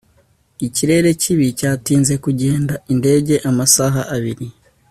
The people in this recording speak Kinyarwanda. ikirere kibi cyatinze kugenda indege amasaha abiri